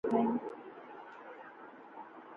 فہ تو کیہہ مدد کری سکنائیں